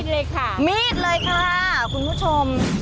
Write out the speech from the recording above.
เลยค่ะมีดเลยค่ะคุณผู้ชม